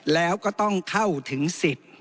แล้วก็ต้องเข้าถึงสิทธิ์